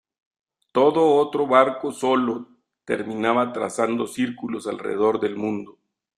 Todo otro barco sólo terminaba trazando círculos alrededor del mundo.